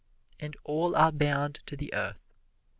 And all are bound to the Earth.